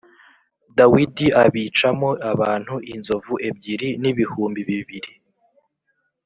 Dawidi abicamo abantu inzovu ebyiri n’ibihumbi bibiri.